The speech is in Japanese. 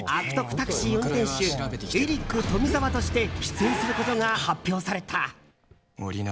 タクシー運転手エリック・トミザワとして出演することが発表された。